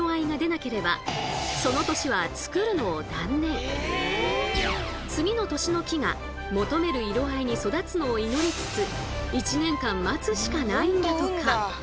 しかも次の年の木が求める色合いに育つのを祈りつつ１年間待つしかないんだとか！